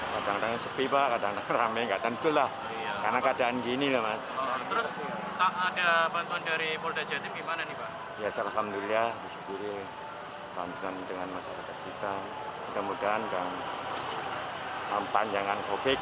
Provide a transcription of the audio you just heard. bantuan daging rendang dan beras gratis ini pun disambut antusias warga